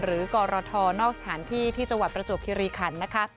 หรือกรทนอกสถานที่ที่จังหวัดประจวบธิริขันธ์